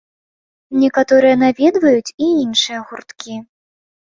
Некаторыя наведваюць і іншыя гурткі.